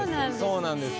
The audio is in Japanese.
そうなんですね。